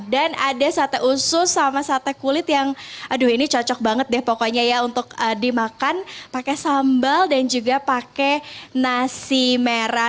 dan ada sate usus sama sate kulit yang aduh ini cocok banget deh pokoknya ya untuk dimakan pakai sambal dan juga pakai nasi merah